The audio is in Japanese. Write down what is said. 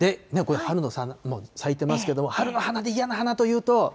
咲いてますけれども、春の花で嫌な花というと。